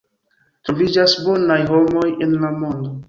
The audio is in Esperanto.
Troviĝas bonaj homoj en la mondo.